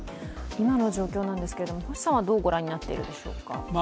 今の状況なんですけれども星さんはどうご覧になっているでしょうか？